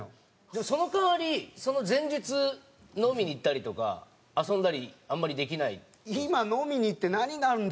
でもその代わりその前日飲みに行ったりとか遊んだりあんまりできない。